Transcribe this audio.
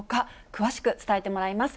詳しく伝えてもらいます。